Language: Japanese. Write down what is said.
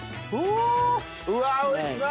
うわっおいしそう！